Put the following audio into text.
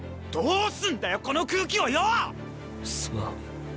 ⁉どうすんだよこの空気をよぉ⁉すまん。